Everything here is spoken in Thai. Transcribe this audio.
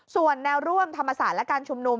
ส่วนแนวร่วมธรรมศาสตร์และการชุมนุม